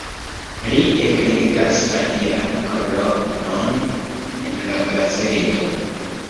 Li eklegas alian kolonon en la gazeto.